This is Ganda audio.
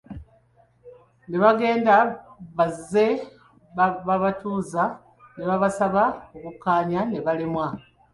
N'abenganda bazze babatuuza ne babasaba okukkaanya ne balemwa.